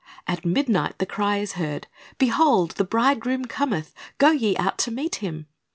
At midnight the cry is heard, "Behold, the bridegroom cometh; go ye out to meet him."